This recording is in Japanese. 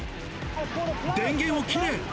電源を切れ！